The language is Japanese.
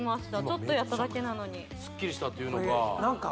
ちょっとやっただけなのにスッキリしたというのか